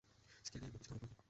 স্ক্যানে এমন কিছু ধরা পড়েনি।